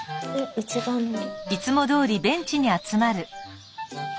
一番乗り。